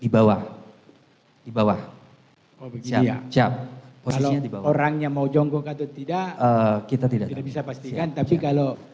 di bawah di bawah siap siap kalau orangnya mau jonggok atau tidak kita tidak bisa pastikan tapi kalau